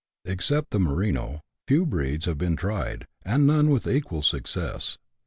Except the merino, few breeds have been tried, and none with equal success.